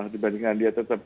dibandingkan dia tetap